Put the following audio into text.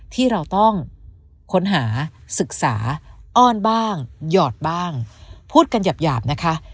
ที่เราต้องค้นหาศึกษาอ้อนบ้างหยอดบ้างพูดกันหยาบนะคะ